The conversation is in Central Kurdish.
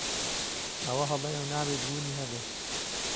ئهوه ههڵهیه و نابێت بوونی ههبێ